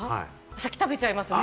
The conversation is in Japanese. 先に食べちゃいますね。